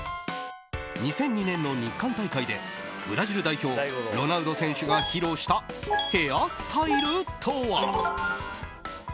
２００２年の日韓大会でブラジル代表、ロナウド選手が披露したヘアスタイルとは。